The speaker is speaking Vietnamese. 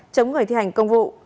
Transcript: chống người thi hành công vụ